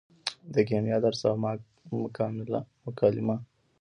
د کیمیا درس او مکالمه